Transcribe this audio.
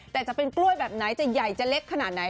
แต่จะเป็นกล้วยแบบไหนจะใหญ่จะเล็กขนาดไหน